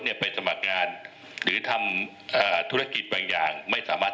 ไปสมัครงานหรือทำเอ่อธุรกิจบางอย่างไม่สามารถ